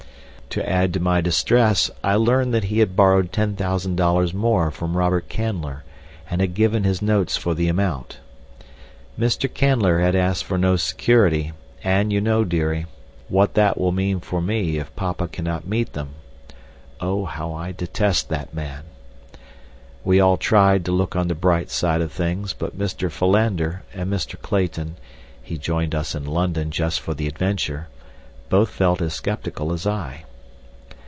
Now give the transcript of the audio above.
To add to my distress, I learned that he had borrowed ten thousand dollars more from Robert Canler, and had given his notes for the amount. Mr. Canler had asked for no security, and you know, dearie, what that will mean for me if papa cannot meet them. Oh, how I detest that man! We all tried to look on the bright side of things, but Mr. Philander, and Mr. Clayton—he joined us in London just for the adventure—both felt as skeptical as I.